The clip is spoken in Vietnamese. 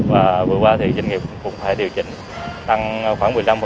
vừa qua thì doanh nghiệp cũng phải điều chỉnh